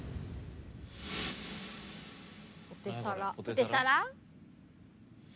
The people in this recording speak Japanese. ポテサラ？